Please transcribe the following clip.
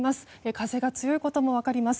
風が強いことも分かります。